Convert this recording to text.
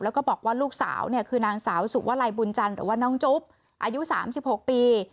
แล้วก็บอกว่าลูกสาวเนี่ยคือนางสาวสุวลัยบุญจันทร์หรือว่าน้องจุ๊บอายุ๓๖ปี